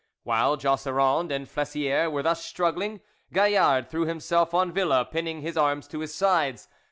While Jausserand and Flessiere were thus struggling, Gaillard threw himself on Villa, pinning his arms to his sides.